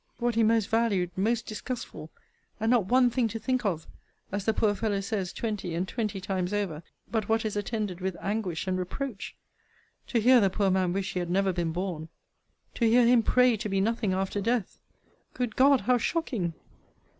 What he most valued, most disgustful! and not one thing to think of, as the poor fellow says twenty and twenty times over, but what is attended with anguish and reproach! To hear the poor man wish he had never been born! To hear him pray to be nothing after death! Good God! how shocking!